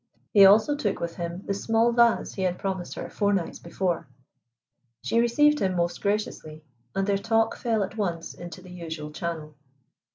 He also took with him the small vase he had promised her four nights before. She received him most graciously, and their talk fell at once into the usual channel.